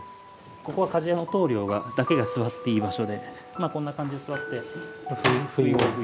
ここは鍛冶屋の棟梁だけが座っていい場所でこんな感じで座ってふいごを吹いて。